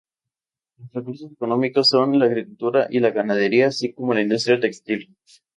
Sus recursos económicos son la agricultura y la ganadería así como la industria textil.